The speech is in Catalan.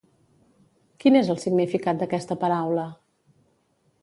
Quin és el significat d'aquesta paraula?